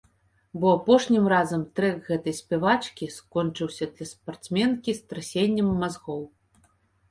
Бо апошнім разам трэк гэтай спявачкі скончыўся для спартсменкі страсеннем мазгоў.